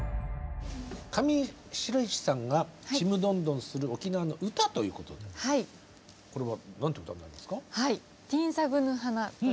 上白石さんが「ちむどんどん」する沖縄の歌ということでこれは何という歌なんですか？